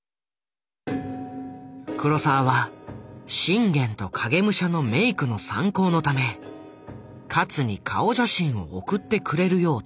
黒澤は信玄と影武者のメイクの参考のため勝に顔写真を送ってくれるよう頼んだ。